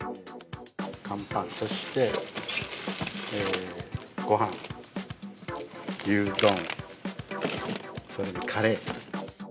カンパン、そしてごはん、牛丼、それにカレー。